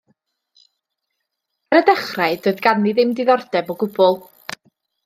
Ar y dechrau doedd ganddi ddim diddordeb o gwbl.